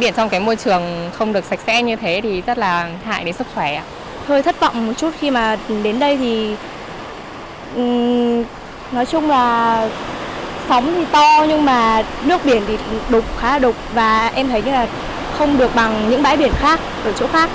nói chung là phóng thì to nhưng mà nước biển thì đục khá là đục và em thấy như là không được bằng những bãi biển khác ở chỗ khác